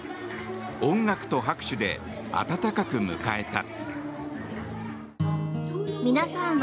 音楽と拍手で温かく迎えた。